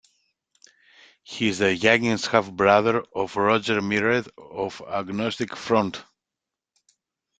He is the younger half-brother of Roger Miret of Agnostic Front.